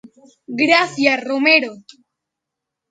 Gracia Romero.